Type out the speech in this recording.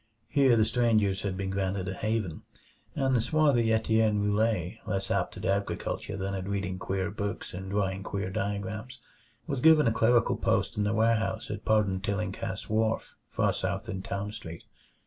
Here the strangers had been granted a haven; and the swarthy Etienne Roulet, less apt at agriculture than at reading queer books and drawing queer diagrams, was given a clerical post in the warehouse at Pardon Tillinghast's wharf, far south in Town Street.